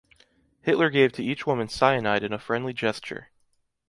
Hitler gave to each woman cyanide in a friendly gesture.